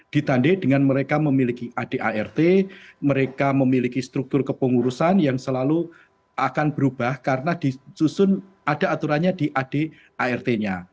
ditandai dengan mereka memiliki adart mereka memiliki struktur kepengurusan yang selalu akan berubah karena disusun ada aturannya di adart nya